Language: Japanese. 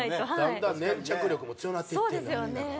だんだん粘着力も強なっていってるのよあれ。